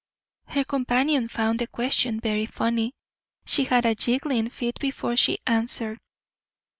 Her companion found the question very funny. She had a giggling fit before she answered.